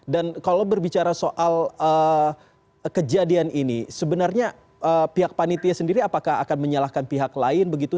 dan kalau berbicara soal kejadian ini sebenarnya pihak panitia sendiri apakah akan menyalahkan pihak lain begitu